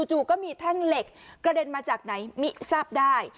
จู่ก็มีแท่งเหล็กกระเด็นมาจากไหนมิทราบได้